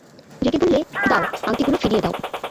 রেগে বললে, দাও, আংটিগুলো ফিরিয়ে দাও।